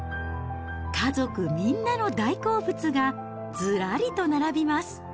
家族みんなの大好物がずらりと並びます。